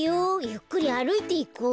ゆっくりあるいていこう。